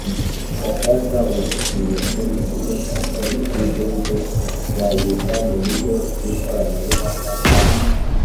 Gacaca ubu zibitswe mu kigo cya Polisi y Igihugu zabikwa mu buryo bw ikoranabuhanga kandi